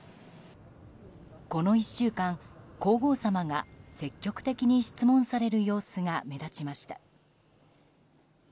この１週間、皇后さまが積極的に質問される様子が目立ちました。